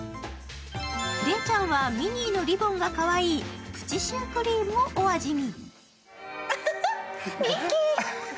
礼ちゃんはミニーのリボンがかわいいプチシュークリームをお味見。